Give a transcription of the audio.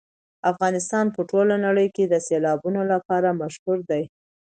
افغانستان په ټوله نړۍ کې د سیلابونو لپاره مشهور دی.